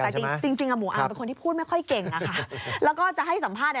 จริงอย่างหมู่อาร์มเป็นคนที่พูดไม่ค่อยเก่งอะค่ะ